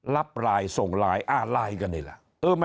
รับไลน์ส่งไลน์ไลน์กันนี่แหละ